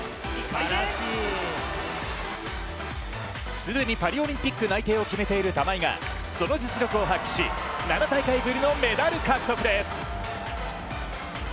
既に、パリオリンピック内定を決めている玉井がその実力を発揮し、７大会ぶりのメダル獲得です。